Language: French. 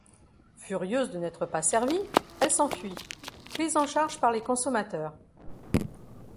Furieuse de n'être pas servie, elle s'enfuit, pris en chasse par les consommateurs.